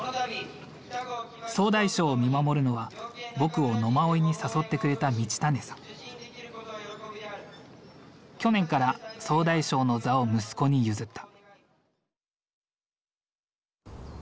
総大将を見守るのは僕を野馬追に誘ってくれた去年から総大将の座を息子に譲った。